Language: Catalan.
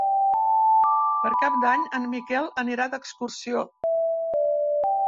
Per Cap d'Any en Miquel anirà d'excursió.